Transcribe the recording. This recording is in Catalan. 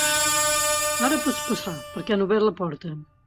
Ara pots passar, perquè han obert la porta.